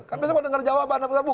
kan bisa mau denger jawaban atau bukti